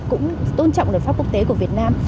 cũng tôn trọng luật pháp quốc tế của việt nam